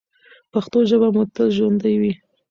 پښتو ژبه مو تل ژوندۍ وي.